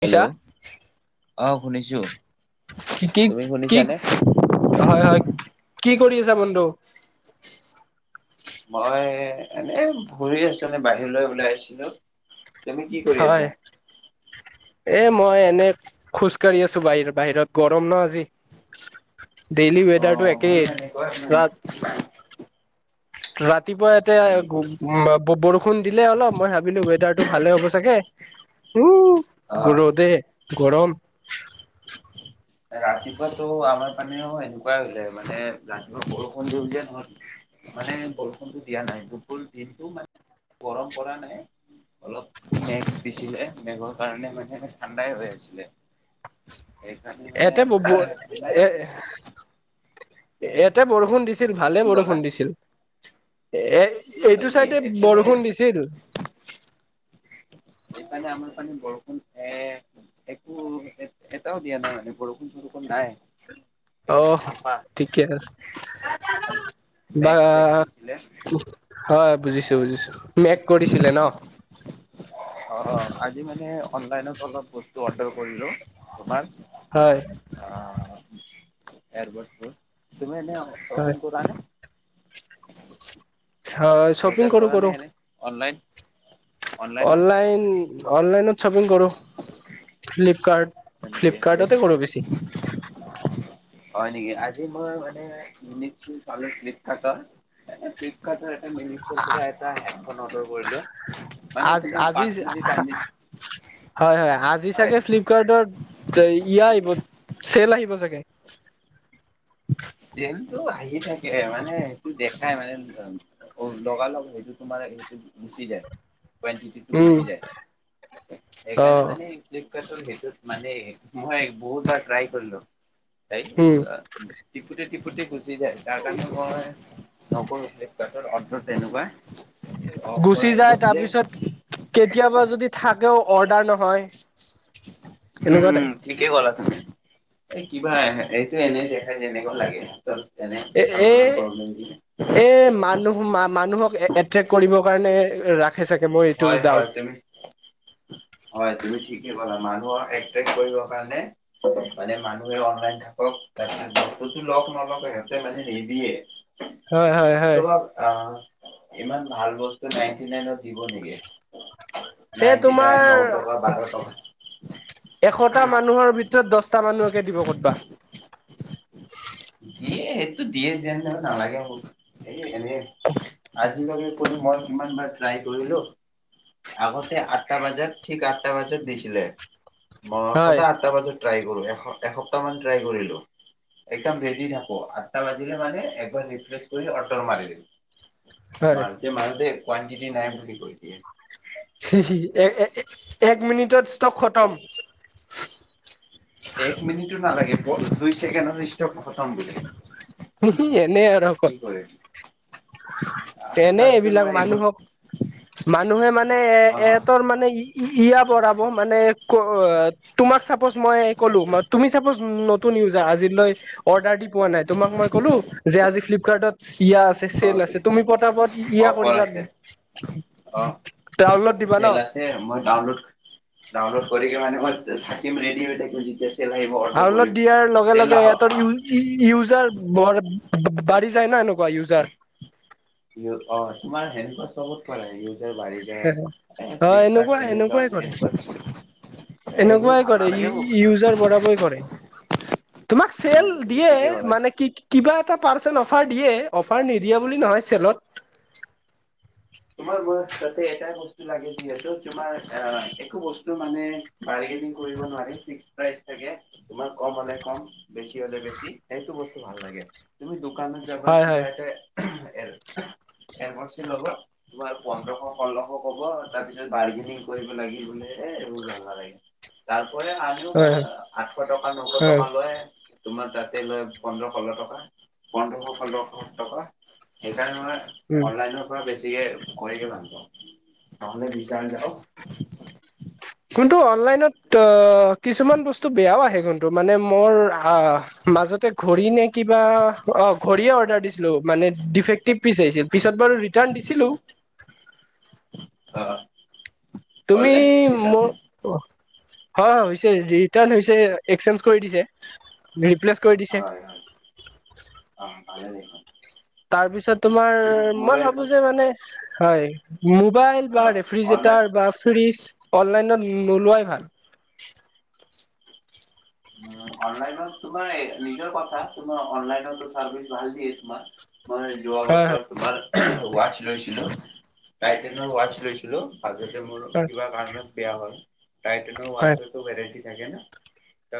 শুনিছা? অহ শুনিছোঁ কি কি কি হয় হয় কি কৰি আছা বন্ধু মই এনেই ফুৰি আছিলো এই বাহিৰলৈ ওলাই আহিছিলোঁ তেওঁ এ কি কৰি হয়। এ মই এনে খোজকাঢ়ি আছো বাহিৰ বাহিৰত গৰম ন' আজি। ডেইলি অ ৱেডাৰটো মইও একেই। এনেকুৱাই [unintelligible] ৰাতিপুৱা হয় নেকি? এ বৰষুণ দিলে অলপ মই ভাবিলো ৱেডাৰটো ভালে হ'ব চাগে। উ, অ ৰ'দে গৰম। ৰাতিপুৱাতো আমাৰ পানেও এনেকুৱাই হলে মানে ৰাতিপুৱা বৰষুণ দি নহল। মানে বৰষুণতটো দিয়া নাই দুপুৰ দিনটো মানে গৰম কৰা নাই। অলপ মেঘ পিছিলে মেঘৰ কাৰণে মানে ঠাণ্ডাই হৈ আছিলে সেইকাৰণে মানে এতে ব ব ঠাণ্ডাই এ আছে এতে বৰষুণ দিছে দিছিল ভালে কি ক'লা বৰষুণ দিছিল এ হয় এইটো নেকি চাইডে এইপিনে বৰষুণ দিছিল এইকাৰণে আমাৰ ফালে বৰষুণ এ একো এ এটাও দিয়া নাই মানে বৰষুণ চৰষুণ নাই অ চাফা ঠিকেই আছে খালি বা মেঘ চেক দিছিলে হয় বুজিছোঁ বুজিছোঁ মেক কৰিছিলে ন [inaudible] অ', আজি মানে অনলাইনত অলপ বস্তু অৰ্ডাৰ কৰিলো তোমাৰ। হয়। অ', এৰব তুমি এনে হয় শপিং কৰ নে? হয় বজাৰ শ্বপিং কৰো কৰা নে কৰো। এনে অনলাইন? অনলাইনত অলাইন অলাইনত শপিং কৰো। হয় ফ্লিপকাৰ্ট নেকি বেছ ফ্লিপকাৰ্টতে কৰোঁ বেছি। হয় নেকি আজি মই মানে শছো চল থাক। এ ফ্লিপকাৰ্টৰ এটা মিনিৰ পৰা এটা হডখন অৰ্ডাৰ কৰিলো। মানে আজ তোমাৰ আজি পাঁচ জি মিনিট আঁহ আনি আঁহ হয় হয়, আজি হয় চাগে ফ্লিপকাৰ্টৰ ইয়া আহিব চেল আহিব চাগে? চেলটো আহি থাকে মানে সেইটো দেখাই মানে অম অ অ লগালগ সেইটো তোমাৰ সেইটো গুচি যায়। কোৱানটিটিটো উম গুচি যায় সে অ সেইকাৰণে মানে ফ্লিপকাৰ্টৰ সেইটোত মানে মই বহুতবাৰ ট্ৰাই কৰিলো এই উম আ টিপুতে টিপুতে গুচি যায় তাৰ কাৰণে মই নকৰো একবাৰ তৰ অৰ্ধ তেনেকুৱা। অফাৰ গুচি আহিব যায় তাৰ বোলে পিছত কেতিয়াবা যদি থাকেও অৰ্ডাৰ নহয়। উম, এনেকুৱা টাইপ উম। ঠিকে ক'লা তুমি এই কিবা এহে এইটো এনেই দেখাই যেনেকুৱা লাগে। তৰ তেনে এ এ ছাৰ্ভাৰৰ প্ৰব্লেম দিয়ে। এ মানুহ মা মানুহক এ এট্ৰেক কৰিবৰ কাৰণে ৰা খে চাগে মই এইটো হয় ডাউট হয় তুমি হয় তুমি ঠিকে ক'লা, মানুহৰ এট্ৰেক কৰিবৰ কাৰণে মানে মানুহে অনলাইন থাকক তাৰ বস্তুটো লওক নলওক সিহঁতে মানে নিদিয়ে। হয়, হয়, হয়। অ', ইমান ভাল বস্তু নাইনটি নাইনত দিব নেকি? সেই নাইনটি নাইন, ন তোমাৰ টকা, বাৰ টকা এশটা মানুহৰ ভিতৰত দচটা মানুহকে দিব কতবা। দিয়ে সেইটো দিয়ে যেন নালাগে মোক। এই এনে আজিলৈকে পুলি মই কিমান বাৰ ট্ৰাই কৰিলো আগতে আঠটা বাজাত, ঠিক আঠটা বাজাত দিছিলে। মই হয় সদায় আঠটা বজাত ট্ৰাই কৰো, এস এসপ্তাহমান ট্ৰাই কৰিলো। দম ৰেদি থাকো, আঠটা বাজিলে মানে এবাৰ ৰিফ্ৰেছ কৰি অৰ্ডাৰ মাৰিম, হয় মাৰ তে মালতে কোৱাণ্টিটি নাই বুলি কৈ দিয়ে। চি চি, এ এ এ এক মিনিটত ষ্টক খতম। এক মিনিটো নালাগে, ব দুই ছেকেণ্ডতে ষ্টক খতম বোলে। সেইখিনি এনেই আৰু কি কয়। কৰে। আৰু তেনে তাৰপিছত এইবিলাক মই এইবোৰ মানুহক মানুহে মানে এ এ অ এহঁতৰ মানে ই ই ইয়া বঢ়াব মানে ক আ তোমাক চাপজ মই ক'লো, মা তুমি চাপজ নতুন ইউজ আজিলৈ অৰ্ডাৰ দি পোৱা নাই, তোমাক মই কলো যে আজি ফ্লিপকাৰ্টত ইয়া আছে অ চেল আছে, তুমি পতাপট ই ইয়া অফাৰ কৰিবা। আছে ডাউনলড দিবা ন? তে মই ডাউনলড - ডাউনলড কৰি কে মানে মই থাকিম ৰেডি হৈ থাকিম এতিয়া চি চেল আহিব অৰ্ডাৰ কৰিম, চেল আহক আহ ই ই ইউজাৰ বৰ বা বা বাঢ়ি যায় না এনেকুৱা ইউজাৰ। ইও, অ তোমাৰ সেনেকুৱা চবত কোৱা লাগি যায়, বাঢ়ি যায় এ অ এনেকুৱা ফ্লিপকাৰ্ট, এনেকুৱাই এমেজন কৰে এনেকুৱা কিছুমান এনেকুৱাই কৰে, ই ই ইউজাৰ বঢ়াবই কৰে। তোমাক চেল অ', তুমি দিয়ে ঠিকেই ক'লা। মানে কি কি কিবা এটা পাৰ্চেণ্ট অফাৰ দিয়ে, অফাৰ নিদিয়ে বুলি নহয় চেলত তোমাৰ বয়স তাতে এটাই বস্তু লাগে যিহেতু তোমাৰ আহ একো বস্তু মানে- বাৰ্গেনিং কৰিব নোৱাৰি ফিক্স প্ৰাইজ থাকে। তোমাৰ কম হলে কম বেছি হলে বেছি, সেইটো বস্তু ভাল লাগে। তুমি দোকানত যাবা হয় হয় কিবা এটা এ এনচি ল'ব। তোমাৰ পোন্ধৰশ ষোল্লশ কব তাৰ পিছত বাৰ্গেনিং কৰিব লাগি বোলে এ এবোৰ ভাল নালাগে। তাৰপৰা আনিও বা হয় হয় আঠশ টকা নশ হয় টকা লয়। তোমাৰ তাতে লয় পোন্ধৰ ষোল টকা পোন্ধৰশ ষোল্লশ টকা। সেইকাৰণে মই উম অনলাইনৰ পৰা বেছি- দিএ কৈ কিমান নহলে বিচাল যাওক। কোনটো অনলাইনত কিছুমান বস্তু বেয়াও আহে কোনটো মানে মোৰ আহ- মাজতে ঘড়ী নে কিবা অ ঘড়ীয়ে অৰ্ডাৰ দিছিলো মানে দিফেক- টিপ পিছ আহিছিল পিছত বাৰু ৰিটাৰ্ণ দিছিলো। অঁ অ' তুমি হ'লনে হয় মোৰ হয় হয় হৈছে ৰিটাৰ্ণ হৈছে এক্সচেঞ্জ কৰি দিছে। ৰিপ্লেছ কৰি দি- হয় হয়, অঁহ ভালে দেখোন। তাৰ পিছত তোমাৰ মোৰো মই ভাবো একবাৰ যে মানে, হয়। মোবাইল অ বা অনলাইন ৰেফ্ৰিযেটাৰ বা ফ্ৰিজ অনলাইনত নোলোৱাই ভাল। উম' অনলাইনত তোমাৰ নিজৰ কথা তোমাৰ অনলাইনো চাৰ্ভিচ ভাল দিয়ে তোমাৰ। মই যোৱা হয় হয় বছৰ তোমাৰ ৱাতচ লৈছিলো তাইটনৰ ৱাতচ লৈছিলো। মাজতে মোৰ হয় কিবা কাৰণত বেয়া হয় টাইটেনৰ হয় ওৱাটচতো ভেৰাইটি থাকে না।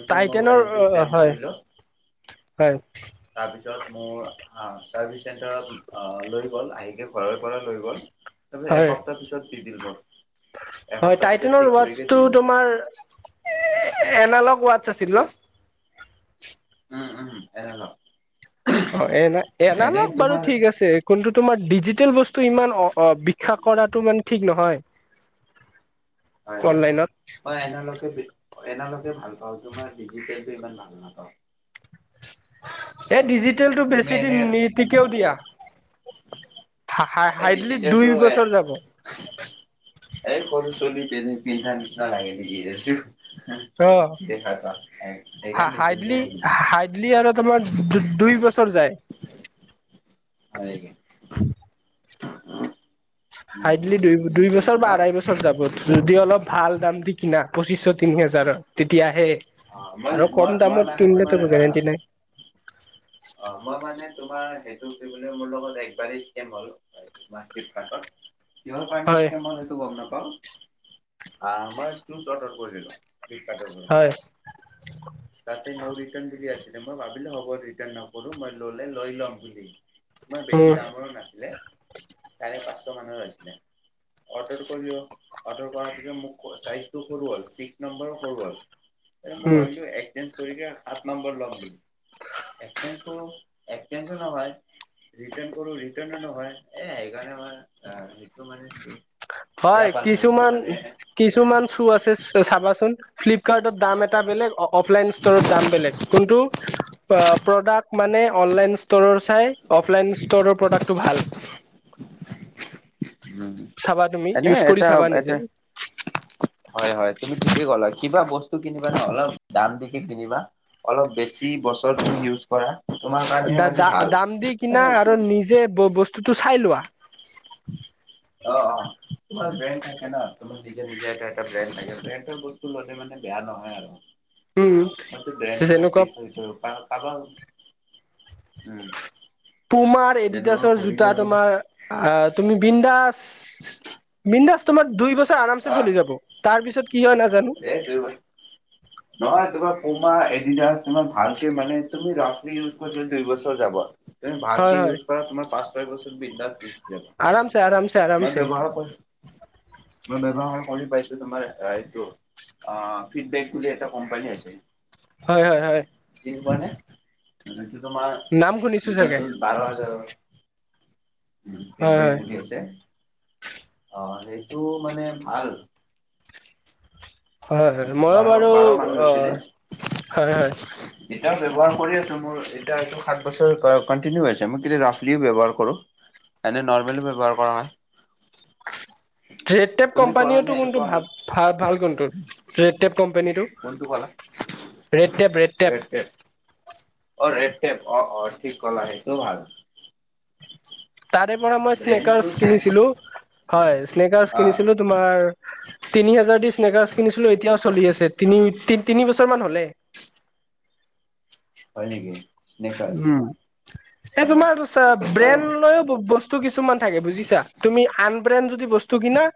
টাইটেনৰ হয় হয়। তাপিছত মোৰ- অঁ চাৰ্ভিচ চেণ্টাৰত লৈ গ'ল আহিকে ঘৰৰ পৰা লৈ গ'ল। তাপিছত হয় এসপ্তাহ পিছত বিল দিব। হয় টাইটনৰ ৱাটচছটো দিল। তোমাৰ এনালগ ৱাটচছ আছিলো। উম উম' এনালগ। অঁ এনা এনালগ বাৰু তোমাৰ ঠিক আছে। কোনটো তোমাৰ ডিজিটেল বস্তু ইমান অ অ বিখ্যা কৰাটো মানে ঠিক নহয়। হয় হয়। অনলাইনত মই এনালকে বেছ এনালকে ভাল পাওঁ, তোমাৰ ডিজিটেলটো ইমান ভাল নাপাওঁ। এ ডিজিটেলটো তুমি বেছিদিন এনে নীতিকেও দিয়া। হা হা এই হাইডলি ডিজিটেলটো দুই এ বছৰ যাব। এই কৰ ছলি পিন্ধা নিছা লাগে নেকি এটো। অ দেখা ত সেইকাৰণে নিপিন্ধো ময় যি টি খন। লি আৰু তোমাৰ দু দুই বছৰ যায়। ভাৰেকে। উম হাইডলি দুই দুই ডিজিটেলটো বছৰ বা ন। আঢ়াই বছৰ যাব। যদি অলপ ভাল দাম দি কিনা পঁচিশ তিনি হাজাৰৰ তেতিয়াহে- অ মই আৰু মই কম মই দামত মানে তোমাৰ কিনলেটো একো আহ গেৰেণ্টি নাই। অ মই মানে তোমাৰ সেইটো কি বুলে মোৰ লগত একবাৰেই স্কেম হল হয়। কিহৰ কাৰণে হয় স্কেম হল সেইটো গম নাপাওঁ। অঁ মই স্নুজ দতত বহিলোঁ ফ্লিপকাতৰ। হয়। তাতে নৌ ৰিটাৰ্ণ বুলি আচিলে মই ভাবিলো হব ৰিটাৰ্ণ নকৰো মই ললে লৈ লম বুলি। ইমান উম বেছি দামৰো নাছিলে চাৰে পাঁচশ মানৰ আছিলে অৰ্ডাৰ কৰিও অৰ্ডাৰ কৰাৰ পিছত মোক অ চাইজ টো সৰু হল এক নম্বৰ সৰু হল এ মই উম ভাবিলো এক চেঞ্জ কৰি সাত নম্বৰ ল'ম একচেঞ্জ কৰো একচেঞ্জো নহয় ৰিটাৰ্ণ কৰোঁ ৰিটাৰনো নহয় এ সেইকাৰণে মই আ সেইটো মানে বেয়া হয় পালো সেইটো কিছুমান মানে কিছুমান চো আছে চাবাচোন ফ্লিপকাৰ্টত দাম এটা বেলেগ অ অ অফলাইন ষ্ট'ৰত দাম বেলেগ কোনটো প্ৰডাক্ট মানে অনলাইন ষ্ট'ৰৰ চাই অফলাইন ষ্টৰৰ প্ৰডাক্টটো ভাল উম চাবা তুমি এনে ইউজ কৰি এটা চাবা নিজে এটোৱে হয় হয় তুমি ঠিকে ক'লা কিবা বস্তু কিনিবা ন অলপ দাম দিকি কিনিবা অলপ বেছি বছৰটো ইউজ কৰা তোমাৰ কাৰণে দ মানে দা ভাল। দাম দি কিনা মানে অ আৰু নিজে ব ব বস্তুটো চাই লোৱা অ অ তোমাৰ ব্ৰেন থাকে ন তোমাৰ নিজা নিজা এটা এটা ব্ৰেণ্ড থাকে ব্ৰেণ্ড বস্তু ললে মানে বেয়া নহয় উম আৰু মইতো ব্ৰে যেনেকুৱা কাৰাবাৰ উম [unintelligible] পুমাৰ যেনেকুৱা এডিডাছৰ ঘড়ী জোতা ললো তোমাৰ আহ তুমি বিনদাস বিন দাস তোমাৰ দুই বছ তে আৰামচে চলি যাব তাৰ পিছত কি হয় নাজানো এ দুই মাহ নহয় তোমাৰ পুমা এডিডাছ তোমাৰ ভালকে মানে তুমি ৰাফলি ইউজ কৰিলে দুই বছৰ যাব তুমি হয় ভালকে হয় ইউজ কৰা তোমাৰ পাঁচ ছয় বছৰ বিনদাছ গুচি আৰামছে আৰামছে যাব মই আৰামছে ব্যৱহাৰ কৰ মই ব্যৱহাৰ কৰি পাইছো তোমাৰ আ এইটো অ ফিডবেক বুলি এটা কম্পানী আছে হয় হয় হয় চীন পোৱা নে এইটো তোমাৰ নাম শুনিছো চাগে জোতাটোৰ বাৰ হাজাৰৰ হয় ফিডবেক হয় বুলি আছে অ সেইটো মানে ভাল হয় হয় মইও বাৰ বাৰু বাৰ মান অ হয় হয় এতিয়াও ব্যৱহাৰ কৰি আছো মোৰ জোতা এযোৰ সাত বছৰ ক কণ্টিনিউ হৈ আছে মোৰ কিন্তু ৰাফলি ব্যৱহাৰ কৰো এনেই নৰ্মেলি ব্যৱহাৰ কৰা নাই ট্ৰেড টেপ তুমি কৰা নে কম্পানীওটো কন্তু এনেকুৱা মানে ভাল ভাল ভাল কন টোত ৰেডটেপ কোম্পানীটো কোনটো ক'লা ৰেডটেপ ৰেডটেপ ৰেড টেপ অ ৰেডটেপ অ অ ঠিক কলা সেইটো ভাল তাৰে পৰা মই ব্ৰেণ্ডটো স্নেকাৰছ চাই কিনিছিলো হয় স্নেকাৰছ অ কিনিছিলো তোমাৰ তিনি হাজাৰ দি স্নেকাৰ্ছ কিনিছিলো এতিয়াও চলি আছে তিনি তি তিনি বছৰমান হলে হয় নেকি? স্নেকাৰ উম এ তোমাৰ চা বাৰু ব্ৰেন লৈও ব বস্তু কিছুমান থাকে বুজিছা। তুমি আনব্ৰেণ্ড যদি বস্তু কিনা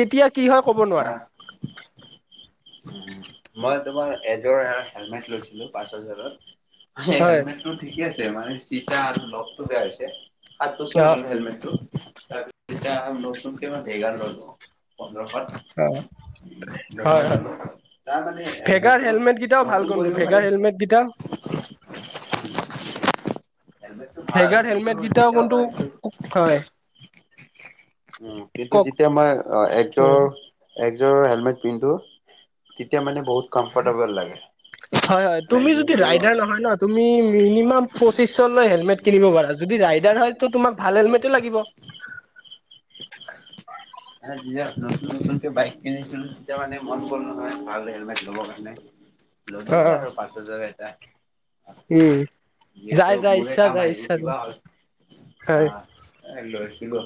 কেতিয়া কি হয় ক'ব নোৱাৰা। [unintelligible] মই তোমাৰ এযোৰ হেলমেট লৈছিলো পাঁচ হাজাৰত। হে হয় হেলমটটো ঠিকে আছে মানে, চিচা লকটো বেয়া হৈছে। সাত বছৰ অ হ'ল হেলমেটটো তাৰ পিছত এতিয়া নতুনকে মানে ভেগাল ললো। পোন্ধৰশত। অ দেখ হয় হয় [unintelligible] তাৰ মানে ভেগাৰ হেলমেটটো হেলমেট কেইটাও ভাল নতুন কোনটো কৰিব ভেগাৰ পাৰে হেলমেট কেইটা [unintelligible] ভাল ভেগাৰ হেলমেট কিন্তু কেইটাও কোনটো কিতাবা হিটো হয় উম কিন্তু কওক যেতিয়া মই অ এক হয় একজোৰৰ হেলমেট পিন্ধো তেতিয়া মানে বহুত কমফৰ্টেবল লাগে হয় হয় মানে তুমি যদি যিহেতু ৰাইডাৰ নহয় ন তুমি মিনিমাম পঁচিশ লৈ হেলমেট কিনিব পাৰা। যদি ৰাইডাৰ হয় ত তোমাক ভাল হেলমেটে লাগিব। যেতিয়া নতুন নতুনকে বাইক কিনিছিলো তেতিয়া মানে মন গল নহয় ভাল হেলমেট ল'বৰ কাৰণে। লৈ দিলো আৰু পাঁচ হাজাৰ এটা। উম যাই যিহেতো যাই মোৰে ইচ্ছা কাম যায় আহিব ইচ্ছা যায় কিবা, হলে হয় আহ এ লৈছিলো।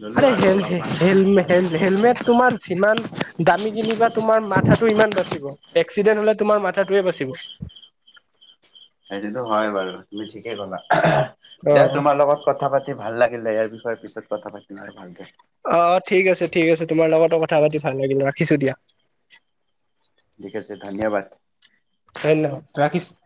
ললো আৰে আৰু হেল হেল অলপমান হেলমেট হেলমেট তোমাৰ যিমান দামি কিনিবা তোমাৰ মাথাটো ইমান বাচিব। এক্সিডেণ্ট হলে তোমাৰ মাথাটোৱে বাচিব। সেইটোতো হয় বাৰু তুমি ঠিকেই ক'লা দিয়া অ তোমাৰ লগত কথা পাতি ভাল লাগিলে, ইয়াৰ বিষয়ে পিছত কথা পাতিম আৰু ভালকে। অ' ঠিক আছে ঠিক আছে তোমাৰ লগতো কথা পাতি ভাল লাগিলে, ৰাখিছো দিয়া। ঠিক আছে ধন্যবাদ। ধন্যবাদ, ৰাখিছো।